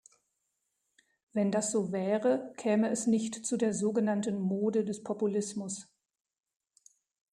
Wenn das so wäre, käme es nicht zu der so genannten "Mode" des Populismus.